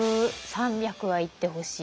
３００はいってほしい。